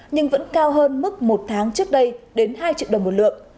nhưng vẫn cao hơn mức một tháng trước đây đến hai triệu đồng một lượng